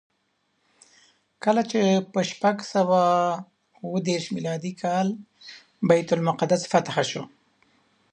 کله چې په شپږ سوه اوه دېرش میلادي کال بیت المقدس فتحه شو.